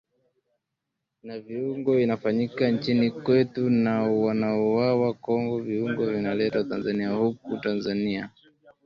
ya viungo inafanyika nchini kwetu na wanaouwawa Kongo viungo vinaletwa Tanzania huku na Tanzania